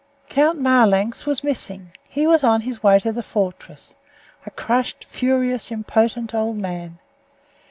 Count Marlanx was missing. He was on his way to the fortress, a crushed, furious, impotent old man.